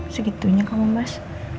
segitunya kamu mas